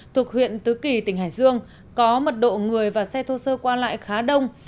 thuộc huyện tứ kỳ tỉnh hải dương có mật độ người và xe thô sơ qua lại khá đông